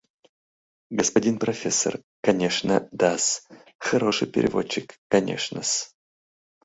Господин профессор, конечно, да-с, хороший переводчик, конечно-с.